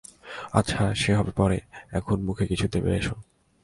আচ্ছা, সে হবে পরে, এখন মুখে কিছু দেবে এসো।